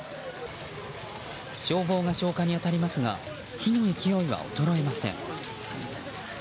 消防が消火に当たりますが火の勢いは衰えません。